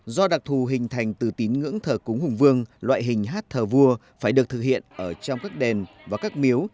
do đặc thù hình thành từ tín ngưỡng thờ cúng hùng vương loại hình hát thờ vua phải được thực hiện ở trong các đền và các miếu